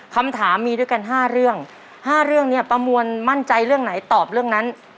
คำถามมีด้วยกัน๕เรื่อง๕เรื่องเนี่ยป้ามวลมั่นใจเรื่องไหนตอบเรื่องนั้น